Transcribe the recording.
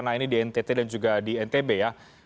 nah ini di ntt dan juga di ntb ya